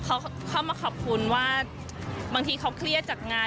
เขาเข้ามาขอบคุณว่าบางทีเขาเครียดจากงาน